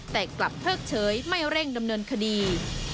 แต่กลับเพิกเฉยไม่เร่งดำเนินคดี